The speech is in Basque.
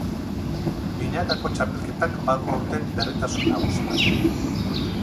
Binakako txapelketak badu aurten berritasun nagusi bat.